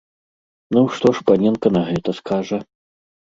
Ну, што ж паненка на гэта скажа?